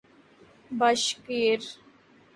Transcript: Bashkir